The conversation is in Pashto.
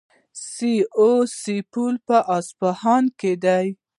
سي او سه پل په اصفهان کې دی.